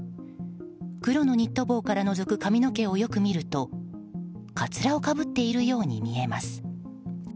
黒のニット帽からのぞく髪の毛をよく見るとかつらをかぶっているように見えます。